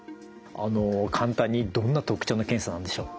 簡単にどんな特徴の検査なんでしょう。